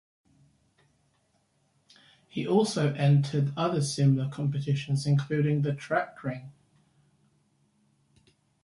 He also entered other similar competitions, including The Trackering.